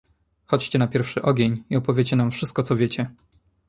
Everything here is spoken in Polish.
"Chodźcie na pierwszy ogień i opowiedzcie nam wszystko, co wiecie."